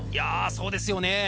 そうですよね